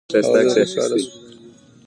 هغه ډېر خوشاله شو.